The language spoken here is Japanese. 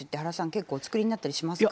結構お作りになったりしますか？